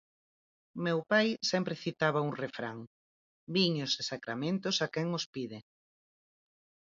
Meu pai sempre citaba un refrán: "viños e sacramentos a quen os pide".